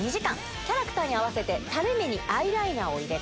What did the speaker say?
キャラクターに合わせて、たれ目にアイライナーを入れた。